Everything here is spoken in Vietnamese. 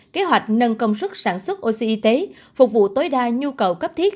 kế hoạch nâng công suất sản xuất oxy y tế phục vụ tối đa nhu cầu cấp thiết